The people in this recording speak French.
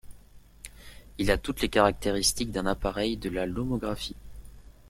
Il a toutes les caractéristiques d’un appareil de la lomographie.